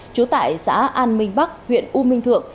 trú tại xã an minh bắc huyện u minh thượng